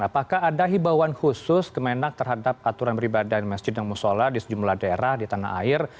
apakah ada hibauan khusus kemenak terhadap aturan beribadah di masjid dan musola di sejumlah daerah di tanah air